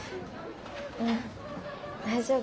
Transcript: うん大丈夫だよ。